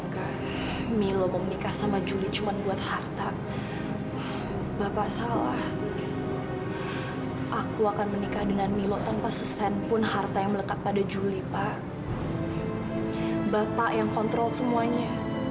sampai jumpa di video selanjutnya